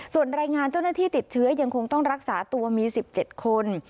ส่วนรายงานเจ้าหน้าที่ติดเชื้อยังคงต้องรักษาตัวมี๑๗คน